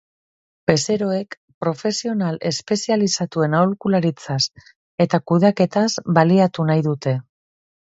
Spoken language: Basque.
Bezeroek profesional espezializatuen aholkularitzaz eta kudeaketaz baliatu nahi dute.